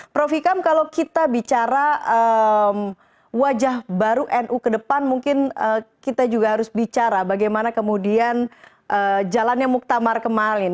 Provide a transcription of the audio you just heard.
prof hikam kalau kita bicara wajah baru nu ke depan mungkin kita juga harus bicara bagaimana kemudian jalannya muktamar kemarin